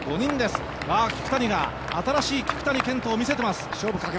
聞谷が新しい聞谷賢人を見せています。